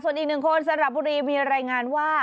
ส่วนอีกหนึ่งคนสระบุรีมีรายงานว่า